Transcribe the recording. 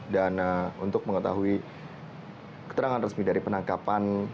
dan untuk mengetahui keterangan resmi dari penangkapan